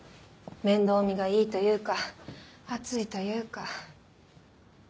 面倒見がいいというか熱いというか。